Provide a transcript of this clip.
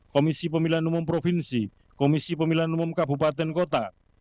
komisi pemilihan umum provinsi komisi pemilihan umum kabupaten kota